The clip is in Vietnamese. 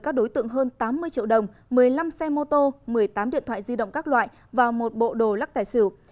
các đối tượng hơn tám mươi triệu đồng một mươi năm xe mô tô một mươi tám điện thoại di động các loại và một bộ đồ lắc tài xỉu